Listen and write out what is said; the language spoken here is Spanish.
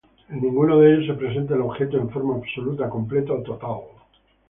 En ninguno de ellos se presenta el objeto en forma absoluta, completa o total.